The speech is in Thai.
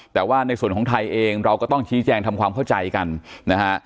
แต่ว่าในส่วนของไทยเองเราก็ต้องชี้แจงทำความเข้าใจกันนะฮะ